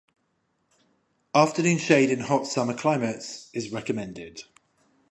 Afternoon shade in hot summer climates, is recommended.